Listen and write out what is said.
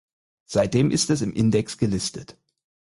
Seitdem ist es im Index gelistet.